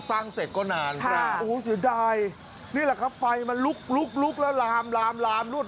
เป็นไม้เป็นหลังทาบุงจากเป็นโฟงฟางอะไรแบบนี้